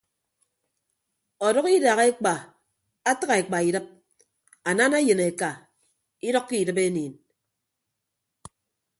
Ọdʌk idak ekpa atịgha ekpa idịp anana eyịn eka idʌkkọ idịp eniin.